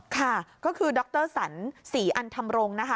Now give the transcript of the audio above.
ค่ะก็คือดรสันศรีอันธรรมรงค์นะคะ